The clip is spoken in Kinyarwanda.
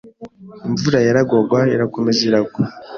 imvura yaragwaga, irakomeza iragwa,